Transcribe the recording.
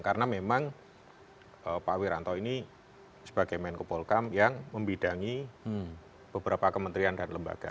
karena memang pak wiranto ini sebagai menkopol hukam yang membidangi beberapa kementerian dan lembaga